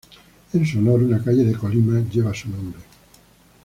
En su honor, una calle de Colima lleva su nombre.